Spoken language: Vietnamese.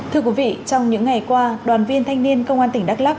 thưa quý vị trong những ngày qua đoàn viên thanh niên công an tỉnh đắk lắc